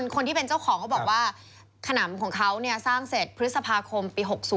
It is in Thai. คนที่เป็นเจ้าของก็บอกว่าขนามของเค้าสร้างเศษพฤษภาคมปี๖๐